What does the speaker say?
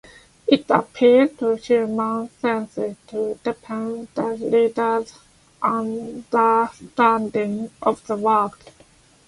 It appeals to human senses to deepen the reader's understanding of the work.